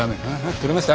撮れました？